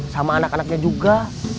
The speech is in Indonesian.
sama anak anaknya juga